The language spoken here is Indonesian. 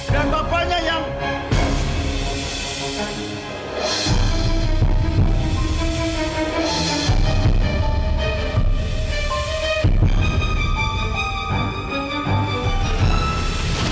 dan bapaknya yang